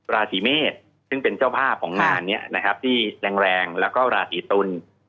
ราศีเมษซึ่งเป็นเจ้าภาพของงานนี้นะครับที่แรงแล้วก็ราศีตุล